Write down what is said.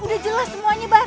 udah jelas semuanya bar